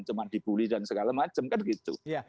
cuma dibully dan segala macam kan gitu